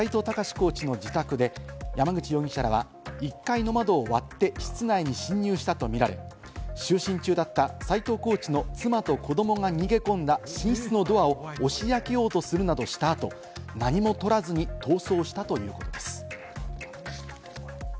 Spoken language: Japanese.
コーチの自宅で山口容疑者らは、１階の窓を割って、室内に侵入したとみられ、就寝中だった斎藤コーチの妻と子どもが逃げ込んだ寝室のドアを押し開けようとするなどした後、何も取らずに逃走したということです。